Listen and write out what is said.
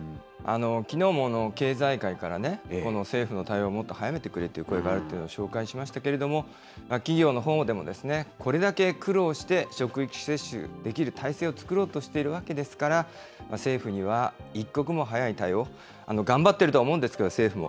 きのうも経済界から、この政府の対応をもっと早めてくれという声があるというのを紹介しましたけれども、企業のほうでも、これだけ苦労して職域接種できる態勢を作ろうとしているわけですから、政府には一刻も早い対応、頑張ってるとは思うんですけど、政府も。